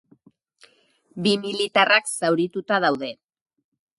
Bi militarrak zaurituta daude.